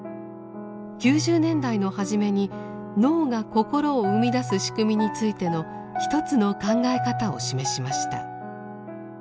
９０年代の初めに脳が心を生み出す仕組みについての一つの考え方を示しました。